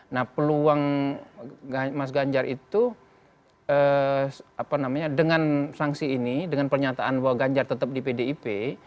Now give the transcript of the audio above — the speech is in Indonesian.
nah peluang mas ganjar itu dengan sanksi ini dengan pernyataan bahwa ganjar tetap di pdip